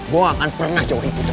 gue akan pernah jauhin putri